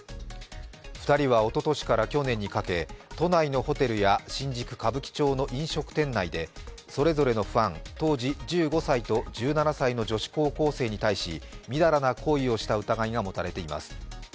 ２人は、おととしから去年にかけ、都内のホテルや新宿・歌舞伎町の飲食店内でそれぞれのファン、当時１５歳と１７歳の女子高校生に対しみだらな行為をした疑いが持たれています。